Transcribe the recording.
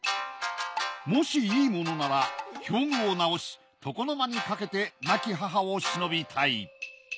もしいい物なら表具を直し床の間にかけて亡き母をしのびたい。